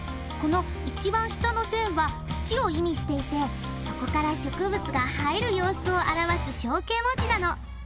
この一番下の線は土を意味していてそこから植物が生える様子を表す象形文字なの。